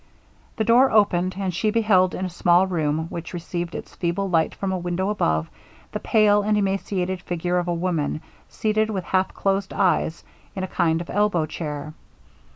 The door opened, and she beheld in a small room, which received its feeble light from a window above, the pale and emaciated figure of a woman, seated, with half closed eyes, in a kind of elbow chair.